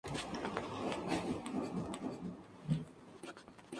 Fue el Sporting de Portugal.